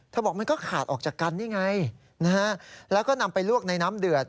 บอกมันก็ขาดออกจากกันนี่ไงนะฮะแล้วก็นำไปลวกในน้ำเดือด